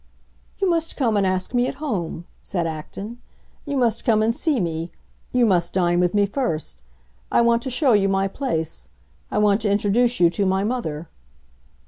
"You must come and ask me at home," said Acton. "You must come and see me; you must dine with me first. I want to show you my place; I want to introduce you to my mother."